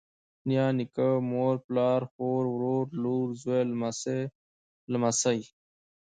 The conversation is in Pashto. نيا، نيکه، مور، پلار، خور، ورور، لور، زوى، لمسۍ، لمسى